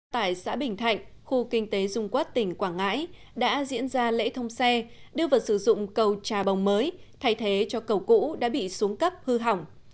tại xã bình thạnh khu kinh tế dung quốc tỉnh quảng ngãi đã diễn ra lễ thông xe đưa vào sử dụng cầu trà bồng mới thay thế cho cầu cũ đã bị xuống cấp hư hỏng